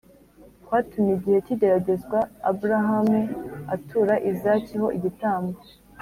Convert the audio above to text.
kwatumye igihe cy’igeragezwa abrahamu atura izaki ho igitambo